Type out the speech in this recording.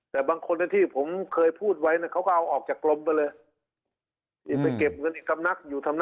แต่บ้างคนในที่ผมเคยพูดไว้เขาก็เอาออกจากกลมไปเลย